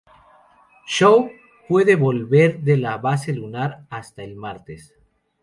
Shaw no puede volver de la base lunar hasta el martes".